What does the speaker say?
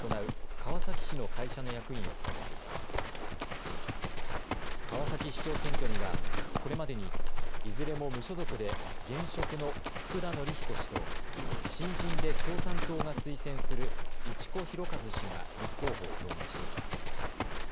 川崎市長選挙にはこれまでにいずれも無所属で現職の福田紀彦氏と新人で共産党が推薦する市古博一氏が立候補を表明しています。